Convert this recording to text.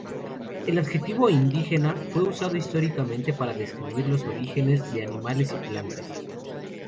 El adjetivo "indígena" fue usado históricamente para describir los orígenes de animales y plantas.